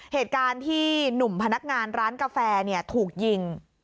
เหตุการณ์ที่หนุ่มพนักงานร้านกาแฟถูกยิง